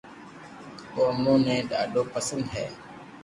او امو ني ڌادي پسند ھي